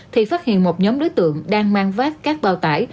thì phát hiện một nhóm đối tượng đang mang vác các bao tải